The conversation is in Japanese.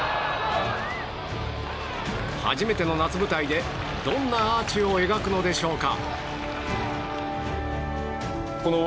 初めての夏舞台でどんなアーチを描くのでしょうか。